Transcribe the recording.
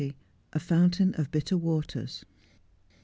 A FOr^TAIX OF BITTER WATERS.